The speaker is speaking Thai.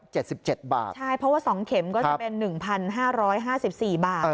ใช่เพราะว่า๒เข็มก็จะเป็น๑๕๕๔บาท